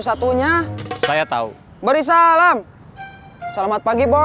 sampai jumpa di video selanjutnya